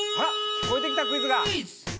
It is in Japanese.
聞こえてきたクイズが。